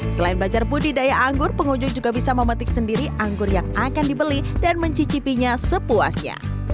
selain belajar budidaya anggur pengunjung juga bisa memetik sendiri anggur yang akan dibeli dan mencicipinya sepuasnya